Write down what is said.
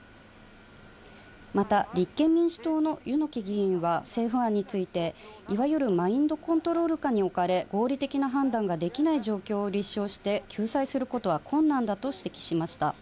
また、立憲民主党の柚木議員は政府案について、いわゆるマインドコントロール下に置かれ、合理的な判断ができない状況を立証して救済することは困難だと指摘しました。